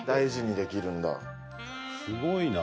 すごいな。